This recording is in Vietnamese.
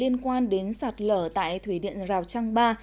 nhanh đến sạt lở tại thủy điện rào trăng ba